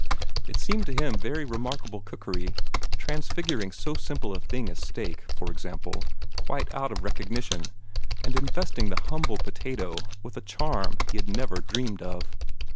It seemed to him very remarkable cookery, transfiguring so simple a thing as a steak, for example, quite out of recognition, and investing the humble potato with a charm he had never dreamed of.